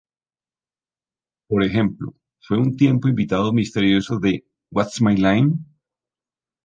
Por ejemplo, fue un tiempo invitado misterioso de "What's My Line?